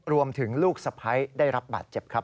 ลูกสะพ้ายได้รับบาดเจ็บครับ